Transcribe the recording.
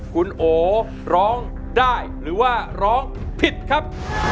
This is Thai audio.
คุณโอร้องได้หรือว่าร้องผิดครับ